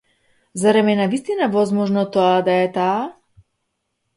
Зарем е навистина возможно тоа да е таа?